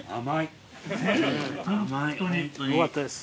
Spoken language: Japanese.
よかったです